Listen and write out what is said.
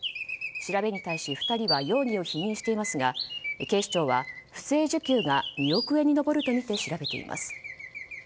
調べに対し２人は容疑を否認していますが警視庁は不正受給が２億円に上るとみて調べています。